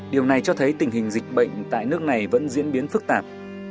điều này cho thấy tình hình dịch bệnh tại nước này vẫn diễn biến phức tạp